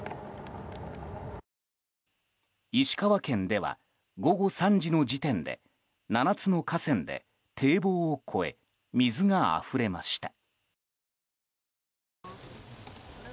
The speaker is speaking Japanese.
石川県では午後３時の時点で７つの河川で堤防を越え水があふれました。